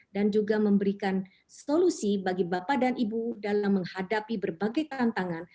dan juga memberikan solusi bagi bapak dan ibu dalam menghadapi berbagai tantangan